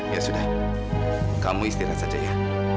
ya sudah kamu istirahat saja ya